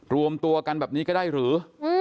รวมตัวกันแบบนี้ก็ได้หรือ